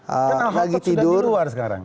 al khotot sudah di luar sekarang